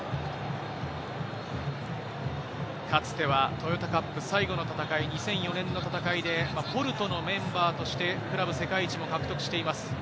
かつてはトヨタカップ最後の戦い、２００４年の戦いで、ポルトのメンバーとしてクラブ世界一も獲得しています。